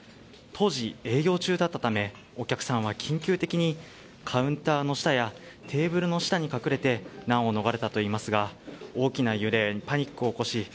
当時、営業中だったためお客さんは緊急的にカウンターの下やテーブルの下に隠れて難を逃れたといいますが大きな揺れにパニックを起こし